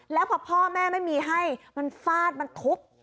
แล้วพอพ่อแม่ไม่มีให้มันฟาดมันทุบ